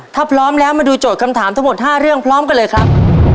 ถ้าพร้อมแล้วมาดูโจทย์คำถามทั้งหมด๕เรื่องพร้อมกันเลยครับ